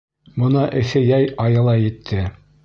Бына эҫе йәй айы ла етте.